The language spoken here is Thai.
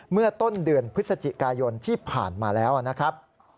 เมื่อต้นเดือนพฤศจิกายนที่ผ่านมาแล้วนะครับ